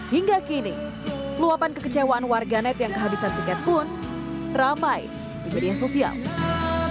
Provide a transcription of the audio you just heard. hingga kini peluapan kekecewaan warga net yang kehabisan tiket pun ramai di media sosial